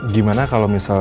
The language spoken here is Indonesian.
gimana kalau misalnya